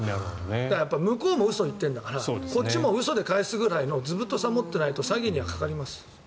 やっぱり向こうも嘘を言ってるんだからこっちも嘘を言って返すぐらいの図太さを持っていないと詐欺にはかかります。